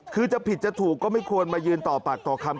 คือจะผิดจะถูกก็ไม่ควรมายืนต่อปากต่อคำ